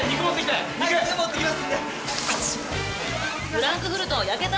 ・フランクフルト焼けた？